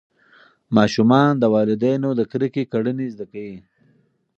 ماشومان د والدینو د کرکې کړنې زده کوي.